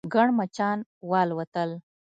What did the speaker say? ګڼ مچان والوتل.